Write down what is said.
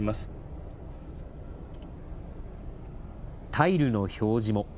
タイルの表示も。